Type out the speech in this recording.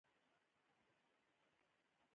هغه یې هماغې شېبه کې حلال کړی و په غوړیو یې ونه ژړل.